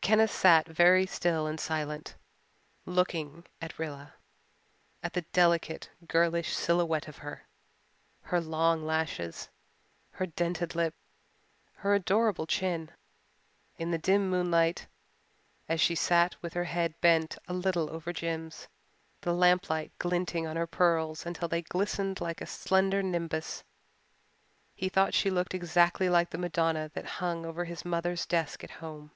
Kenneth sat very still and silent, looking at Rilla at the delicate, girlish silhouette of her, her long lashes, her dented lip, her adorable chin. In the dim moonlight, as she sat with her head bent a little over Jims, the lamplight glinting on her pearls until they glistened like a slender nimbus, he thought she looked exactly like the Madonna that hung over his mother's desk at home.